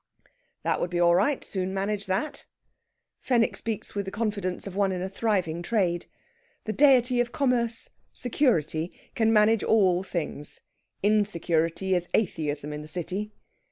"That would be all right; soon manage that." Fenwick speaks with the confidence of one in a thriving trade. The deity of commerce, security, can manage all things. Insecurity is atheism in the City.